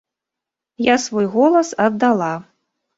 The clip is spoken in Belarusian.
Я свой голас аддала.